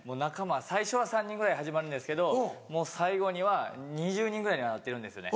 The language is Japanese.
最初は３人ぐらいで始まるんですけど最後には２０人ぐらいにはなってるんですよね。